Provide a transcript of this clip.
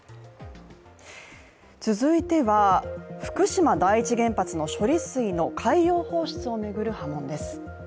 続いては福島第一原発の処理水の海洋放出を巡る波紋です。